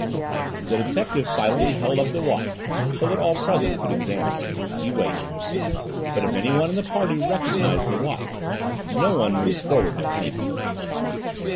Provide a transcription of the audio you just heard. The detective silently held up the watch so that all present could examine it. He waited. But if anyone in the party recognized the watch no one moved forward to claim it.